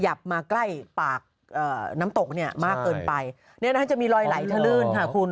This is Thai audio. มาใกล้ปากน้ำตกเนี่ยมากเกินไปเนี่ยนะคะจะมีรอยไหลทะลื่นค่ะคุณ